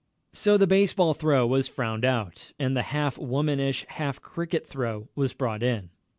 So the baseball throw was frowned out, and the half womanish, half cricket throw was brought in.